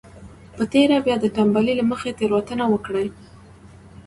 په تېره بيا د تنبلۍ له مخې تېروتنه وکړي.